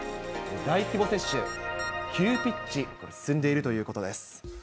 大規模接種、急ピッチで進んでいるということです。